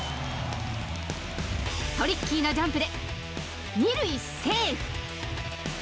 トリッキーなジャンプで２塁セーフ。